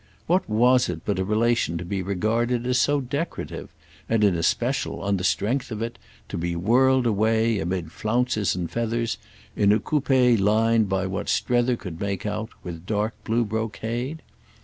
What was it but a relation to be regarded as so decorative and, in especial, on the strength of it, to be whirled away, amid flounces and feathers, in a coupé lined, by what Strether could make out, with dark blue brocade?